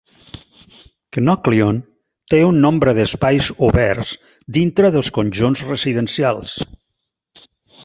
Knocklyon té un nombre d'espais oberts dintre dels conjunts residencials.